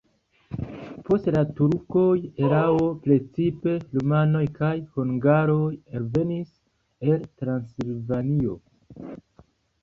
Post la turkoj erao precipe rumanoj kaj hungaroj alvenis el Transilvanio.